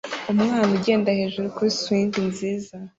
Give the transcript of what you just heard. Umwana ugenda hejuru kuri swing nziza